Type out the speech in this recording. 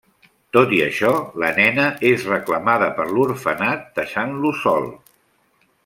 Tot i això, la nena és reclamada per l’orfenat deixant-lo sol.